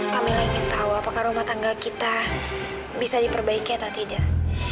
kami ingin tahu apakah rumah tangga kita bisa diperbaiki atau tidak